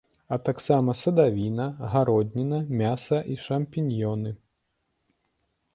А таксама садавіна, гародніна, мяса і шампіньёны.